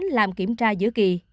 làm kiểm tra giữa kỳ